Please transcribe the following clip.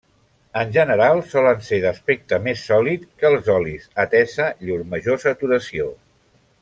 En general solen ser d'aspecte més sòlid que els olis atesa llur major saturació.